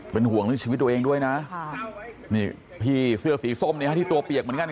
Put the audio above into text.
เป็นห่วงเรื่องชีวิตตัวเองด้วยนะนี่พี่เสื้อสีส้มเนี่ยฮะที่ตัวเปียกเหมือนกัน